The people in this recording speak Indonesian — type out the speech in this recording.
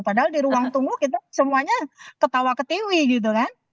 padahal di ruang tunggu kita semuanya ketawa ketiwi gitu kan